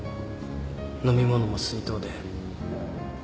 飲み物も水筒で。